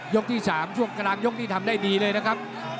ที่๓ช่วงกลางยกนี่ทำได้ดีเลยนะครับ